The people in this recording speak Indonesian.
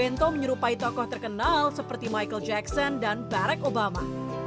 bento menyerupai tokoh terkenal seperti michael jackson dan barack obama